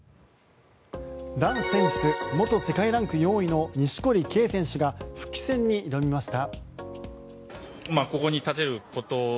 男子テニス元世界ランク４位の錦織圭選手が復帰戦に挑みました。